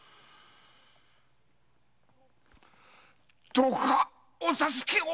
どうかお助けを！